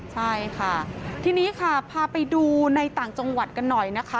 ใช่ค่ะทีนี้ค่ะพาไปดูในต่างจังหวัดกันหน่อยนะคะ